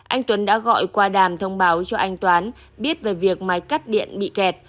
anh tuấn đã gọi qua đàm thông báo cho anh toán biết về việc máy cắt điện bị kẹt